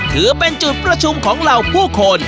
ถือเป็นจุดประชุมของเหล่าผู้คน